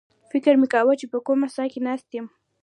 فکر مې کاوه چې په کومه څاه کې ناست یم.